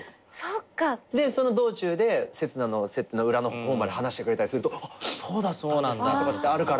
でその道中で刹那の設定の裏の方まで話してくれたりするとそうだったんですねとかってあるから。